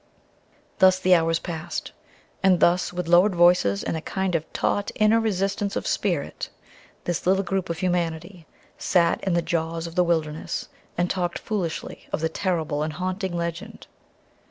Thus the hours passed; and thus, with lowered voices and a kind of taut inner resistance of spirit, this little group of humanity sat in the jaws of the wilderness and talked foolishly of the terrible and haunting legend.